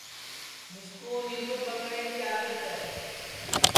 مِسکُو نینٚدُؔوم ٻکٹؔیں کی آدت ہے